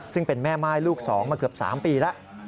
ซึ่งเป็นแม่ม่ายลูก๒มาเกือบ๓ปีแล้ว